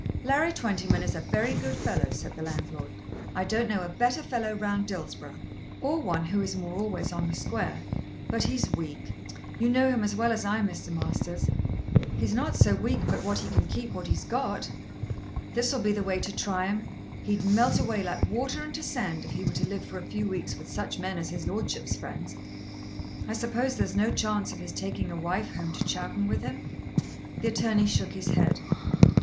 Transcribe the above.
"Larry Twentyman is a very good fellow," said the landlord. "I don't know a better fellow round Dillsborough, or one who is more always on the square. But he's weak. You know him as well as I, Mr. Masters." "He's not so weak but what he can keep what he's got." "This'll be the way to try him. He'd melt away like water into sand if he were to live for a few weeks with such men as his Lordship's friends. I suppose there's no chance of his taking a wife home to Chowton with him?" The attorney shook his head.